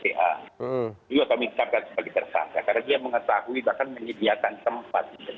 dia akan menyesuaikan sebagai tersangka karena dia mengetahui bahkan menggigitkan tempat